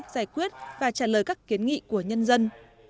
giải quyết và trả lời các kiến nghị của nhân dân